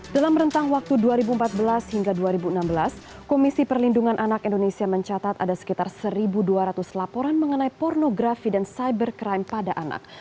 dalam rentang waktu dua ribu empat belas hingga dua ribu enam belas komisi perlindungan anak indonesia mencatat ada sekitar satu dua ratus laporan mengenai pornografi dan cybercrime pada anak